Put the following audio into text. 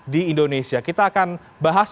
di indonesia kita akan bahas